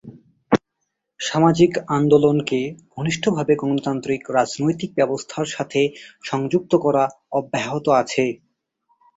সামাজিক আন্দোলনকে ঘনিষ্ঠভাবে গণতান্ত্রিক রাজনৈতিক ব্যবস্থার সাথে সংযুক্ত করা অব্যাহত আছে।